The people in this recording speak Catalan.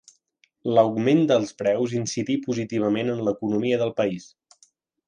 L'augment dels preus incidí positivament en l'economia del país.